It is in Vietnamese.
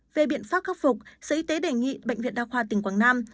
về biện pháp khắc phục sở y tế đề nghị bệnh viện đa khoa tỉnh quảng nam